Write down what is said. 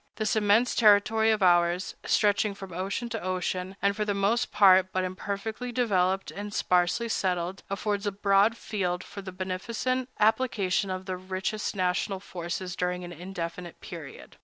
This immense territory of ours, stretching from ocean to ocean, and for the most part but imperfectly developed and sparsely settled, affords a broad field for the beneficent application of the richest national forces during an indefinite period.